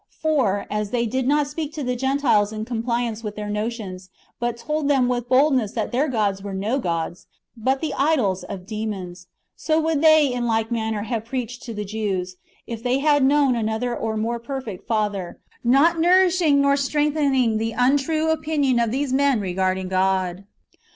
For, as they did not speak to the Gentiles in compliance with their notions, but told them with boldness that their gods were no gods, but the idols of demons ; so would they in like manner have preached to the Jews, if they had known another greater or more perfect Father, not nourishing nor strengthening the untrue opinion of these men regarding God.